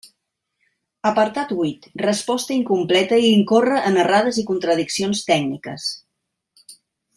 Apartat huit: resposta incompleta i incorre en errades i contradiccions tècniques.